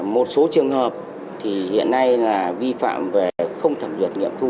một số trường hợp thì hiện nay là vi phạm về không thẩm duyệt nghiệm thu